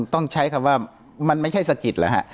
ต้องใช้คำว่ามันไม่ใช่สะกิดเหรอฮะ